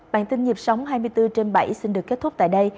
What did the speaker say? bản tin nhịp sống hai mươi bốn trên bảy xin được kết thúc tại đây